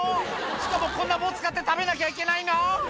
「しかもこんな棒使って食べなきゃいけないの？」